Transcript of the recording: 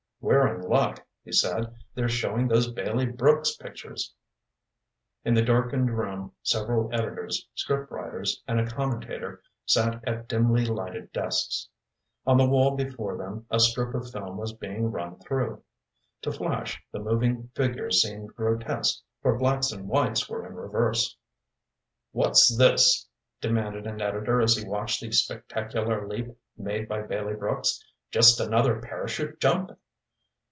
"We're in luck," he said. "They're showing those Bailey Brooks pictures." In the darkened room several editors, script writers and a commentator, sat at dimly lighted desks. On the wall before them a strip of film was being run through. To Flash the moving figures seemed grotesque, for blacks and whites were in reverse. "What's this?" demanded an editor as he watched the spectacular leap made by Bailey Brooks. "Just another parachute jump?"